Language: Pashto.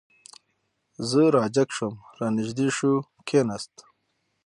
زه را جګ شوم، را نږدې شو، کېناست.